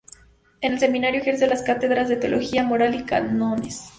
En el seminario ejerce las cátedras de Teología Moral y Cánones.